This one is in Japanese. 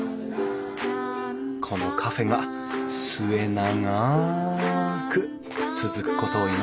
このカフェが末永く続くことを祈っています